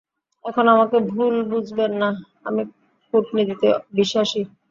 এখন, আমাকে ভুল বুঝবেন না, আমি কূটনীতিতে বিশ্বাসী।